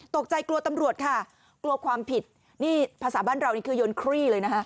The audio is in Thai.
ตกใจกลัวตำรวจค่ะกลัวความผิดนี่ภาษาบ้านเรานี่คือยนครี่เลยนะฮะ